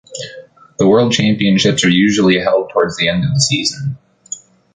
The World Championships are usually held towards the end of the season.